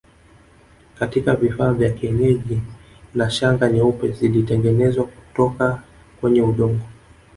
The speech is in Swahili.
Katika vifaa vya kienyeji na Shanga nyeupe zilitengenezwa kutoka kwenye udongo